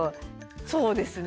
そうですね。